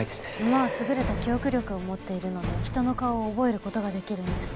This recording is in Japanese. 馬は優れた記憶力を持っているので人の顔を覚える事ができるんです。